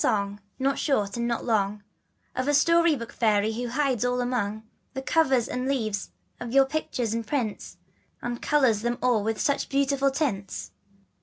song, not short and not long, Of a stQjpy^rtflc fairy^ho hides all among The covers and leaves of your pictures and prints, ^And colors them all with such beautiful tints?